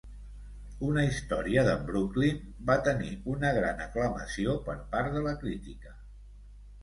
"Una història de Brooklyn" va tenir una gran aclamació per part de la crítica.